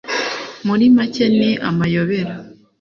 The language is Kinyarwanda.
muri make ni amayobera